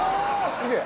すげえ！